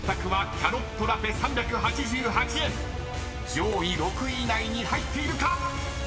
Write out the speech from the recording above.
［上位６位以内に入っているか⁉］